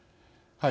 はい。